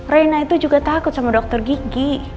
reina itu juga takut sama dokter gigi